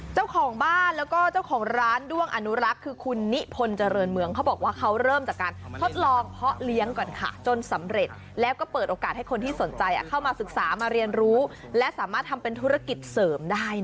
เจ้าของบ้านแล้วก็เจ้าของร้านด้วงอนุรักษ์คือคุณนิพนธ์เจริญเมืองเขาบอกว่าเขาเริ่มจากการทดลองเพาะเลี้ยงก่อนค่ะจนสำเร็จแล้วก็เปิดโอกาสให้คนที่สนใจเข้ามาศึกษามาเรียนรู้และสามารถทำเป็นธุรกิจเสริมได้